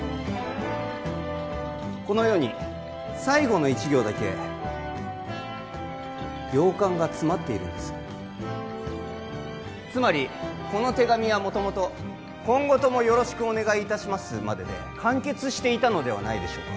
このように最後の一行だけ行間が詰まっているんですつまりこの手紙は元々「今後とも宜しくお願い致します」までで完結していたのではないでしょうか？